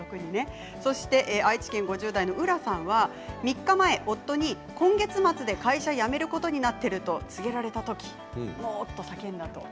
愛知県５０代の方３日前、夫に今月末で会社を辞めることになっていると告げられたときモーと叫んだと。